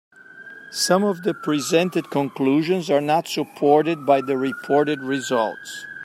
Some of the presented conclusions are not supported by the reported results.